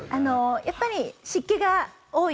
やっぱり湿気が多い